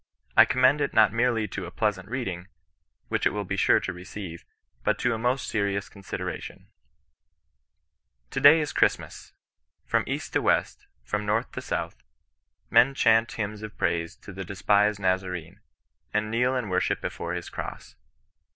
I commend it not merely to a pleasant reading, which it will be sure to receive, but to a most serious co'iisideration :" To day is Christmas. From "E^^X. \.q ^^"&^*,'"^^'^^ ]22 CHRISTIAN N0N RBSI8TANGB. North to South, men chaunt hymns of praise to the de spised Nazarene, and kneel in worship oefore his cross.